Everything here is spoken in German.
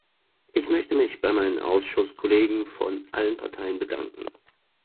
Ich möchte mich bei meinen Ausschusskollegen von allen Parteien bedanken.